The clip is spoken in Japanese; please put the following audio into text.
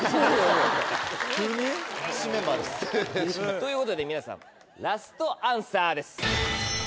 急に？ということで皆さんラストアンサーです。